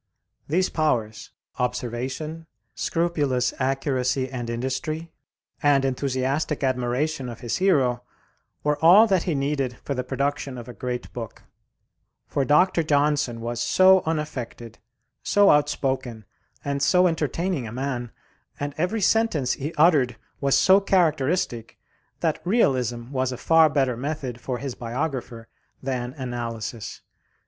These powers observation, scrupulous accuracy and industry, and enthusiastic admiration of his hero were all that he needed for the production of a great book; for Dr. Johnson was so unaffected, so outspoken, and so entertaining a man, and every sentence he uttered was so characteristic, that realism was a far better method for his biographer than analysis.